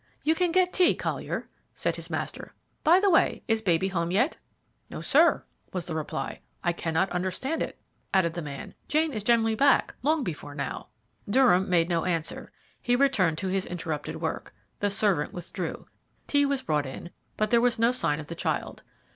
"You can get tea, Collier," said his master. "By the way, is baby home yet?" "No, sir," was the reply. "I cannot understand it," added the man; "Jane is generally back long before now." Durham made no answer. He returned to his interrupted work. The servant withdrew. Tea was brought in, but there was no sign of the child.